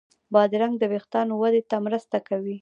بادرنګ د وېښتانو وده ته مرسته کوي.